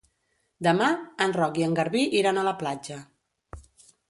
Demà en Roc i en Garbí iran a la platja.